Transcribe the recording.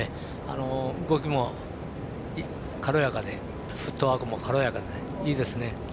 動きもフットワークも軽やかでいいですね。